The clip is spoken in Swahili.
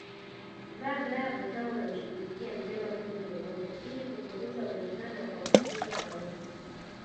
Vaa glavu kama unamshughulikia mnyama mwenye viroboto ili kupunguza uwezekano wa kuambukizwa tauni